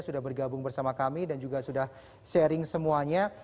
sudah bergabung bersama kami dan juga sudah sharing semuanya